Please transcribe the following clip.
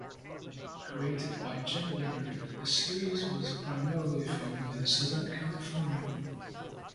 Created by Jim Leonard, the series was primarily filmed in Southern California.